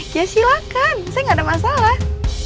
ya silahkan saya gak ada masalah